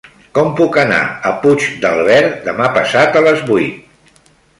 Com puc anar a Puigdàlber demà passat a les vuit?